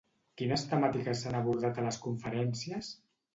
Quines temàtiques s'han abordat a les conferències?